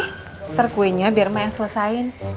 nanti kuenya biar mai yang selesain